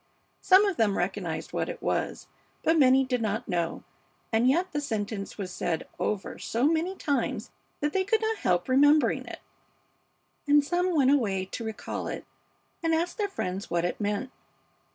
Some of them recognized what it was, but many did not know, and yet the sentence was said over so many times that they could not help remembering it; and some went away to recall it and ask their friends what it meant.